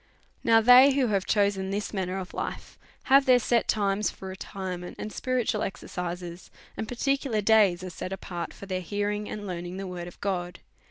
" Now, they wiio have chosen this manner of life have their set times for retirement and spiritual exer cises, and particular days are set apart for their hear ing and learning the word of God.